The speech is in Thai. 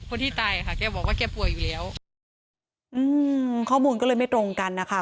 คนที่ตายอ่ะค่ะแกบอกว่าแกป่วยอยู่แล้วอืมข้อมูลก็เลยไม่ตรงกันนะคะ